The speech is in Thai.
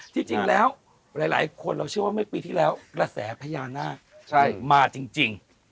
ที่จริงแล้วหลายคนเราเชื่อว่าเมื่อปีที่แล้วกระแสพญานาคมาจริง